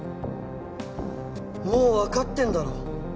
もうわかってんだろ？